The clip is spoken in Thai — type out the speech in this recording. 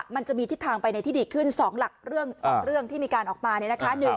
มันจะมีทิศทางไปในที่ดีขึ้น๒หลักเรื่อง๒เรื่องที่มีการออกมาเนี่ยนะคะ